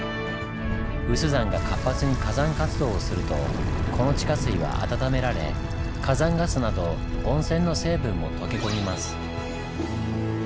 有珠山が活発に火山活動をするとこの地下水は温められ火山ガスなど温泉の成分も溶け込みます。